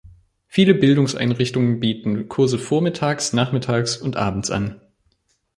Viele Bildungseinrichtungen bieten Kurse vormittags, nachmittags und abends an.